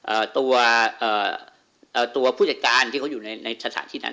ตัวเอ่อเอ่อตัวผู้จัดการที่เขาอยู่ในในสถานที่นั้น